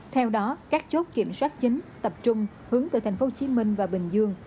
theo đó các chốt kiểm soát chính tập trung hướng từ thành phố hồ chí minh và bình dương